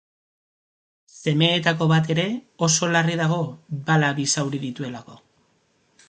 Semeetako bat ere oso larri dago bala bi zauri dituelako.